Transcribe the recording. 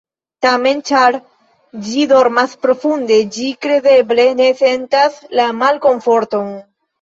Tamen, ĉar ĝi dormas profunde, ĝi kredeble ne sentas la malkomforton.